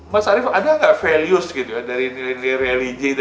mas arief ada nggak values gitu ya dari nilai nilai religi itu